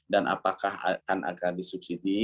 dan apakah akan disubsidi